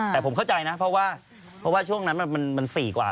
แต่ผมเข้าใจนะเพราะว่าช่วงนั้นมัน๔กว่า